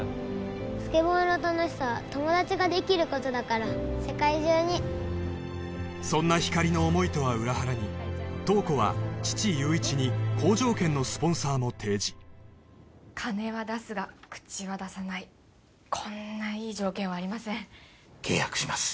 スケボーの楽しさは友達ができることだから世界中にそんなひかりの想いとは裏腹に塔子は父・悠一に好条件のスポンサーも提示金は出すが口は出さないこんないい条件はありません契約します